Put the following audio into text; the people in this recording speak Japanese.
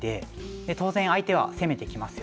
当然相手は攻めてきますよね。